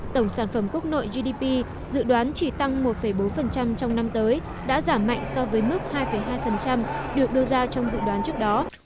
tổng sản phẩm quốc nội gdp dự đoán chỉ tăng một bốn trong năm tới đã giảm mạnh so với mức hai hai được đưa ra trong dự đoán trước đó